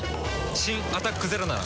新「アタックＺＥＲＯ」なら。